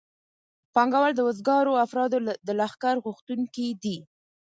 پانګوال د وزګارو افرادو د لښکر غوښتونکي دي